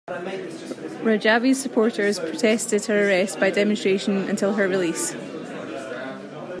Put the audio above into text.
Rajavi's supporters protested her arrest by demonstration until her release.